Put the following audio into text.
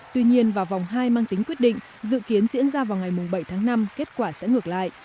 tuy nhiên vào vòng hai mang tính quyết định dự kiến diễn ra vào ngày bảy tháng năm kết quả sẽ ngược lại